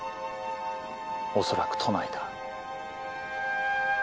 おそらく都内だ。